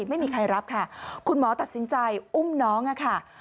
ไม่มีใครรับค่ะคุณหมอตัดสินใจอุ้มน้องค่ะ